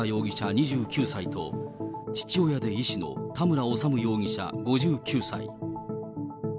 ２９歳と、父親で医師の田村修容疑者５９歳。